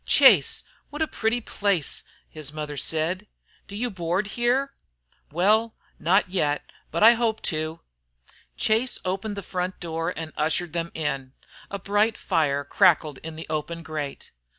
"Chase, what a pretty place!" said his mother. "Do you board here?" "Well, not yet. But I hope to." Chase opened the front door and ushered them in. A bright fire crackled in the open grate.